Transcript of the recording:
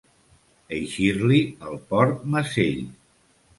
Eixir-li el porc mesell.